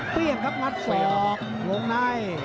เตรียมครับมัดสอกลงใน